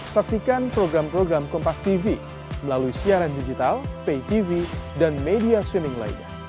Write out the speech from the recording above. saksikan program program kompas tv melalui siaran digital pay tv dan media swimming lainnya